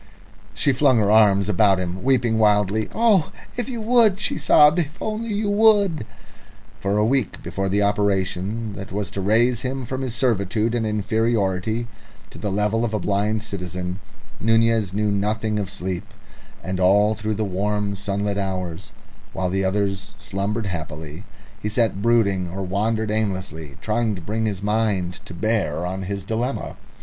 She flung her arms about him, weeping wildly. "Oh, if you would," she sobbed, "if only you would!" For a week before the operation that was to raise him from his servitude and inferiority to the level of a blind citizen, Nunez knew nothing of sleep, and all through the warm sunlit hours, while the others slumbered happily, he sat brooding or wandered aimlessly, trying to bring his mind to bear on his dilemma.